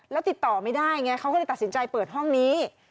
แล้วติดต่อไม่ได้ไงเขาก็เลยตัดสินใจเปิดห้องนี้